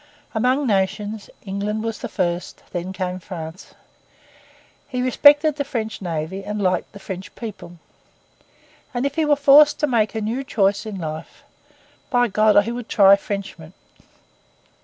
Among nations, England was the first; then came France. He respected the French navy and liked the French people; and if he were forced to make a new choice in life, 'by God, he would try Frenchmen!